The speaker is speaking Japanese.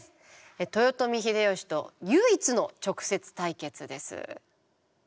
豊臣秀吉と唯一の直接対決です。